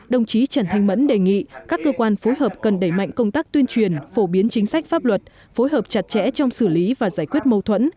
đồng chí trần thanh mẫn đề nghị các cơ quan phối hợp cần đẩy mạnh công tác tuyên truyền phổ biến chính sách pháp luật phối hợp chặt chẽ trong xử lý và giải quyết mâu thuẫn